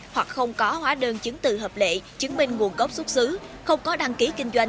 hoặc không có hóa đơn chứng từ hợp lệ chứng minh nguồn gốc xuất xứ không có đăng ký kinh doanh